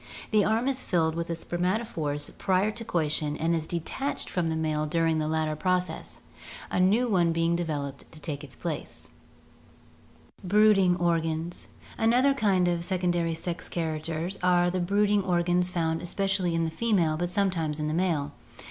The arm is filled with the spermatophores prior to coition and is detached from SEXUAL AND ARTIFICIAL SELECTION 117 the male during the latter process, a new one being developed to take its place. See Fig. 12. Brooding Organs. — Another kind of secondary sex characters are the brooding organs found especially in the female but sometimes in the male.